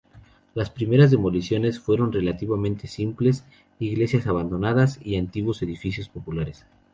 Las primeras demoliciones fueron relativamente simples: iglesias abandonadas y antiguos edificios populares.